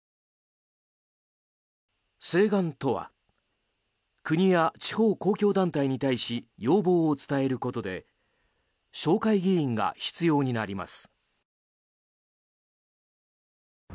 請願とは国や地方公共団体に対し要望を伝えることで紹介議員が必要になります。